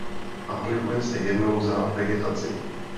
Aplikuje se jednou za vegetaci.